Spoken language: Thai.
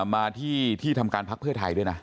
มาที่ที่ทำการพักเพื่อไทยด้วยนะ